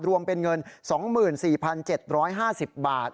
รวมเป็นเงิน๒๔๗๕๐บาท